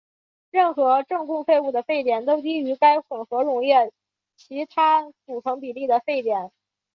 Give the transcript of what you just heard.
任何正共沸物的沸点都低于该混合溶液其他组成比例的沸点。